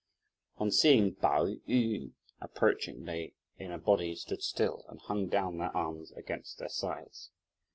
On seeing Pao yü approaching, they, in a body, stood still, and hung down their arms against their sides.